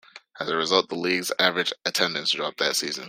As a result, the league's average attendance dropped that season.